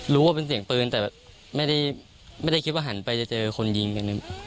ว่าเป็นเสียงปืนแต่ไม่ได้คิดว่าหันไปจะเจอคนยิงกัน